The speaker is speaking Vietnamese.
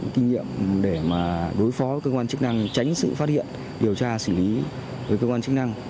kinh nghiệm để mà đối phó với cơ quan chức năng tránh sự phát hiện điều tra xử lý với cơ quan chức năng